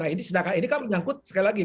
ini sedangkan ini kan menyangkut sekali lagi